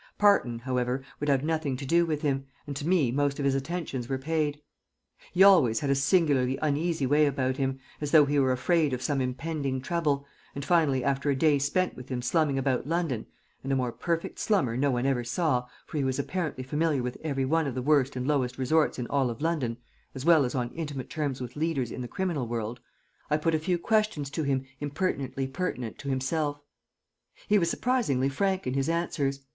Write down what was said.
Parton, however, would have nothing to do with him, and to me most of his attentions were paid. He always had a singularly uneasy way about him, as though he were afraid of some impending trouble, and finally after a day spent with him slumming about London and a more perfect slummer no one ever saw, for he was apparently familiar with every one of the worst and lowest resorts in all of London as well as on intimate terms with leaders in the criminal world I put a few questions to him impertinently pertinent to himself. He was surprisingly frank in his answers.